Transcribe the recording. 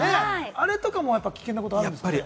あれとかも危険なこと、あるんですか？